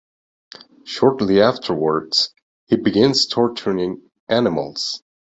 Shortly afterwards, he begins torturing animals.